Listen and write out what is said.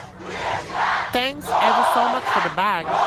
Thanks ever so much for the bag.